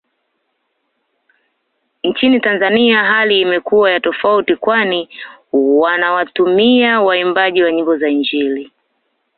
Nchini Tanzania hali imekuwa ya tofauti kwani wanawatumia waimbaji wa nyimbo za injili